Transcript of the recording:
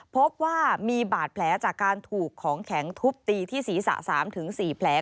พบว่ามีบาดแผลจากการถูกของแข็งทุบตีที่ศีรษะ๓๔แผล